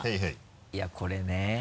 いやこれね。